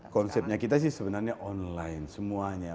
konsepnya kita sih sebenarnya online semuanya